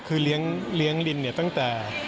คือเลี้ยงลินเนี่ยตั้งแต่